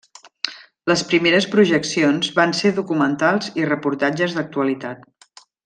Les primeres projeccions van ser documentals i reportatges d'actualitat.